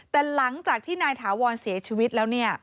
แต่หลังจากที่นายถาวรเสียชีวิตแล้ว